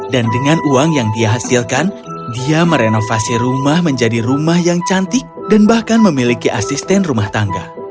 dan dengan uang yang dia hasilkan dia merenovasi rumah menjadi rumah yang cantik dan bahkan memiliki asisten rumah tangga